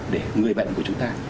để người bệnh của chúng ta